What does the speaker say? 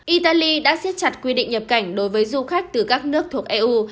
italy đã siết chặt quy định nhập cảnh đối với du khách từ các nước thuộc eu